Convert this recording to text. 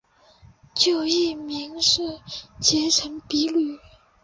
旧艺名是结城比吕。